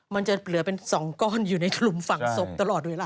มันจะเหลือเป็น๒ก้อนอยู่ในถลุมฝั่งศพตลอดเวลา